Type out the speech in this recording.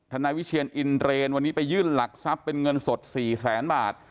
นายวิเชียนอินเรนวันนี้ไปยื่นหลักทรัพย์เป็นเงินสด๔แสนบาท